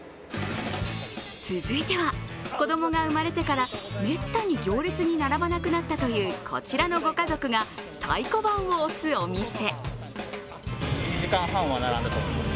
続いては、子供が生まれてからめったに行列に並ばなくなったというこちらのご家族が太鼓判を押すお店。